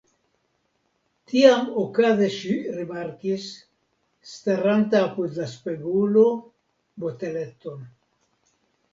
Tiam okaze ŝi rimarkis, starantan apud la spegulo, boteleton.